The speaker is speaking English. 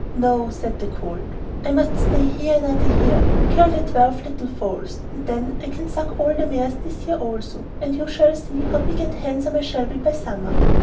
'No,' said the Colt, 'I must stay here another year; kill the twelve little foals, and then I can suck all the mares this year also, and you shall see how big and handsome I shall be by summer.